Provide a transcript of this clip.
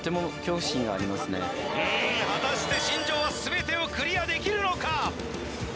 うん果たして新庄は全てをクリアできるのか